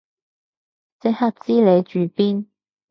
即刻知你住邊